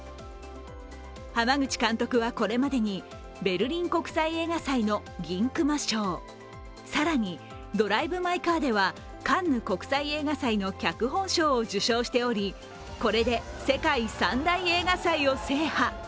濱口監督はこれまでにベルリン国際映画祭の銀熊賞、更に「ドライブ・マイ・カー」ではカンヌ国際映画祭の脚本賞を受賞しておりこれで世界三大映画祭を制覇。